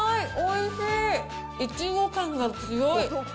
いちご感が強い。